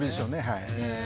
はい。